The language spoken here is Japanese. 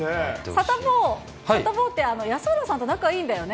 サタボー、サタボーって、安村さんと仲いいんだよね？